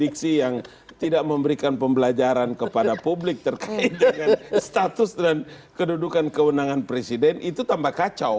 diksi yang tidak memberikan pembelajaran kepada publik terkait dengan status dan kedudukan kewenangan presiden itu tambah kacau